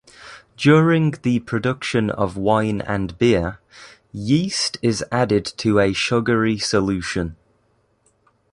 During the production of wine and beer, yeast is added to a sugary solution.